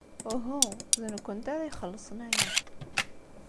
Uhu, d nekkenti ara ixellṣen aya.